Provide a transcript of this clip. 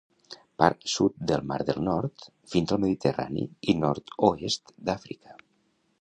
Part sud del mar del Nord, fins al Mediterrani i nord-oest d'Àfrica.